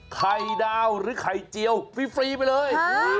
ให้ด้วยไข่ดาวหรือไข่เจียวฟรีไปเลย